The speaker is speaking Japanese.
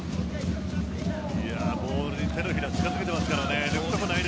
ボールに手のひらを近づけてますからね。